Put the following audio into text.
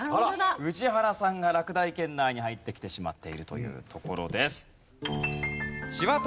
宇治原さんが落第圏内に入ってきてしまっているというところです。